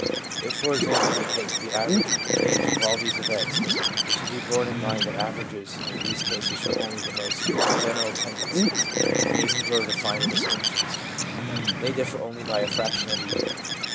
If, for example, we take the average age of all these events (it should be borne in mind that averages in these cases show only the most general tendencies, and even blur the finer distinctions), they differ only by a fraction of a year.